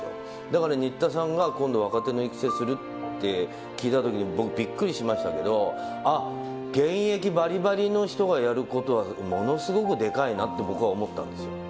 だから新田さんが、今度若手の育成するって聞いたときに、僕、びっくりしましたけど、あっ、現役ばりばりの人がやることはものすごくでかいなって僕は思ったんですよ。